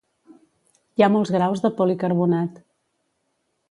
Hi ha molts graus de policarbonat.